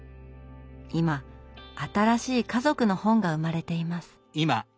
今新しい家族の本が生まれています。